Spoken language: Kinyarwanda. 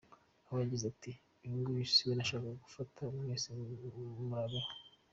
Aho yagize ati :”Uyu nguyu siwe nashakaga gufata mwese murebereho….